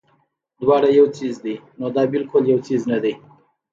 دواړه يو څيز دے نو دا بالکل يو څيز نۀ دے